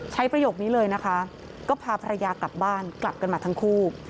ประโยคนี้เลยนะคะก็พาภรรยากลับบ้านกลับกันมาทั้งคู่